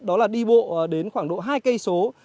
đó là đi bộ đến khoảng độ hai cây số